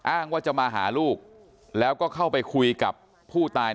อ้างว่าจะมาหาลูกแล้วก็เข้าไปคุยกับผู้ตาย